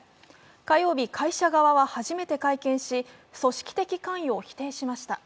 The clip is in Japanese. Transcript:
火曜日、会社側は初めて会見し、組織的関与を否定しました。